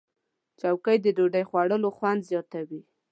چوکۍ د ډوډۍ خوړلو خوند زیاتوي.